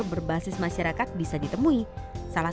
selamat datang di jawa tengah